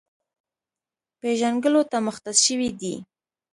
پېژنګلو ته مختص شوی دی،